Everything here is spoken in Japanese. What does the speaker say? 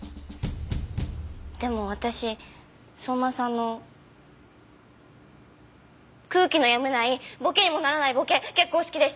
でも私相馬さんの空気の読めないボケにもならないボケ結構好きでした。